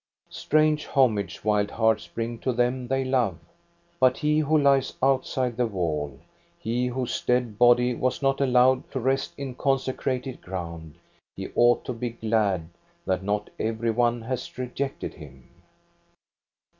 Strange homage wild hearts bring to them they love; but he who lies outside the wall, he whose dead body was not allowed to rest in consecrated ground, he ought to be glad that not every one has rejected him.